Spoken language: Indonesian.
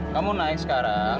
kamu naik sekarang